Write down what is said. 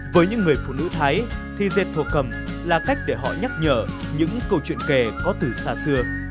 với những người phụ nữ thái thì dệt thổ cầm là cách để họ nhắc nhở những câu chuyện kể có từ xa xưa